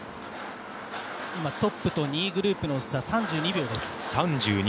今、トップと２位グループの差は３２秒です。